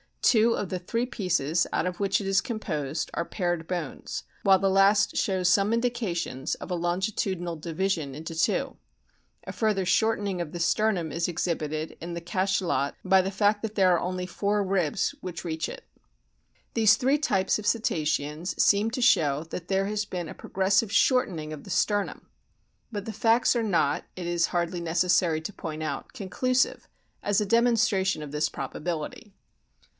Two of the three pieces out of which it is composed are paired bones, while the last shows some indications of a longitudinal division into two. A further shortening of the sternum is o exhibited in the Cachalot by the fact that there are only four ribs which reach it. These three types of Cetaceans seem to show that there has been a progressive shortening of the sternum. But the facts are not, it is hardly necessary to point out, conclusive as a demonstration of this probability.